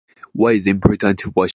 Why is it important to wash-